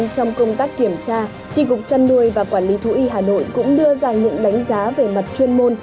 trong công tác kiểm tra tri cục chăn nuôi và quản lý thú y hà nội cũng đưa ra những đánh giá về mặt chuyên môn